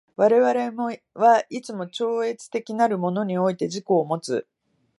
我々はいつも超越的なるものにおいて自己をもつ。